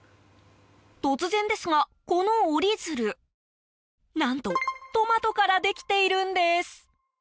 突然ですが、この折り鶴何とトマトからできているんです。